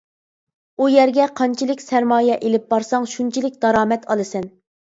ئۇ يەرگە قانچىلىك سەرمايە ئېلىپ بارساڭ، شۇنچىلىك دارامەت ئالىسەن.